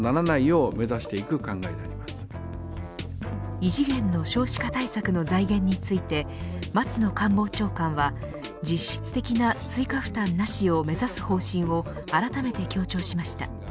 異次元の少子化対策の財源について松野官房長官は実質的な追加負担なしを目指す方針をあらためて強調しました。